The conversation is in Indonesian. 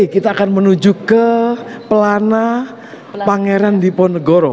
kita akan menuju ke pelana pangeran diponegoro